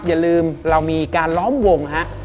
อย่าลืมเรามีการล้อมวงฮะ